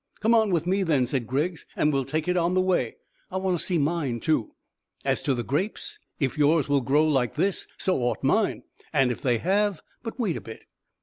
"Come on with me, then," said Griggs, "and we'll take it on the way. I want to see mine too. As to the grapes, if yours'll grow like this so ought mine; and if they have But wait a bit."